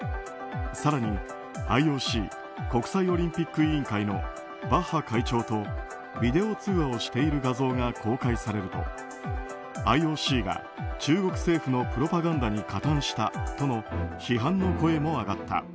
更に、ＩＯＣ・国際オリンピック委員会のバッハ会長とビデオ通話をしている画像が公開されるとＩＯＣが中国政府のプロパガンダに加担したとの批判の声も上がった。